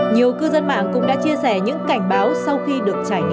nhiều cư dân mạng cũng đã chia sẻ những cảnh báo sau khi được trải nghiệm